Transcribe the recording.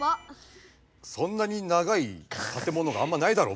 そんなに長いたてものがあんまないだろ